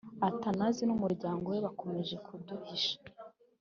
Athanase n umuryango we bakomeje kuduhisha